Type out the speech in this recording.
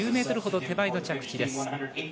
９ｍほど手前の着地です。